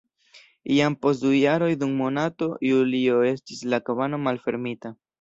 Jam post du jaroj dum monato julio estis la kabano malfermita.